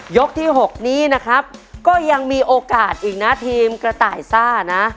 ที่๖นี้นะครับก็ยังมีโอกาสอีกนะทีมกระต่ายซ่านะ